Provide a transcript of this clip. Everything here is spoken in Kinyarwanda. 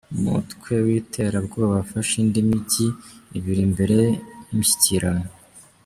Umutwe witera bwoba wafashe indi mijyi ibiri mbere y’imishyikirano